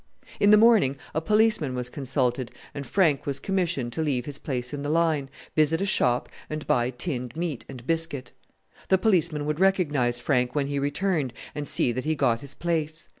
In the morning a policeman was consulted, and Frank was commissioned to leave his place in the line, visit a shop, and buy tinned meat and biscuit. The policeman would recognize Frank when he returned and see that he got his place.